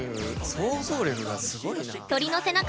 想像力がすごいな。